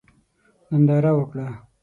ننداره وکړه.